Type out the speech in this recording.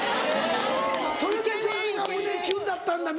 それで女子が胸キュンだったんだ皆！